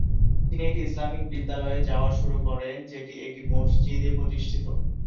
তিনি একটি ইসলামিক বিদ্যালয়ে যাওয়া শুরু করেন, যেটি একটি মসজিদে প্রতিষ্ঠিত।